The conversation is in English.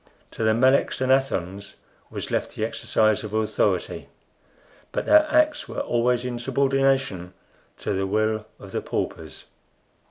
To the Meleks and Athons was left the exercise of authority, but their acts were always in subordination to the will of the paupers.